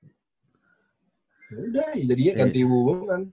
udah jadinya ganti wungan